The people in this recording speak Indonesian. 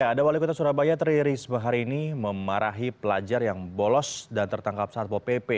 ada wali kota surabaya tri risma hari ini memarahi pelajar yang bolos dan tertangkap satpo pp